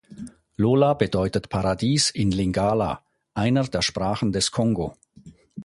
Lola bedeutet „Paradies“ in Lingala, einer der Sprachen des Kongo.